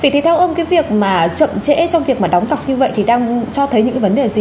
thì theo ông cái việc mà chậm trễ trong việc mà đóng cọc như vậy thì đang cho thấy những cái vấn đề gì